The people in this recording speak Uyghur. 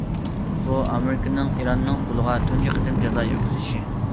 بۇ ئامېرىكىنىڭ ئىراننىڭ پۇلىغا تۇنجى قېتىم جازا يۈرگۈزۈشى.